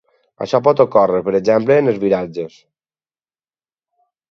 Això pot ocórrer, per exemple, en els viratges.